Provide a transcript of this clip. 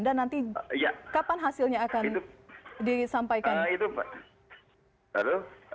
dan nanti kapan hasilnya akan disampaikan